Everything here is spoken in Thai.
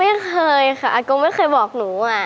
ไม่เคยค่ะอากงไม่เคยบอกหนู